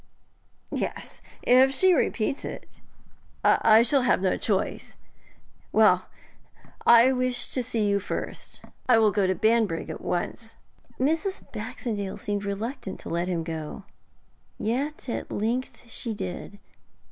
'Yes, if she repeats it. I shall have no choice. Well, I wished to see you first; I will go to Banbrigg at once.' Mrs. Baxendale seemed reluctant to let him go, yet at length she did.